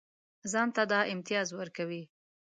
ځان ته دا امتیاز ورکوي.